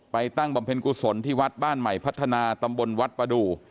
ตั้งบำเพ็ญกุศลที่วัดบ้านใหม่พัฒนาตำบลวัดประดูก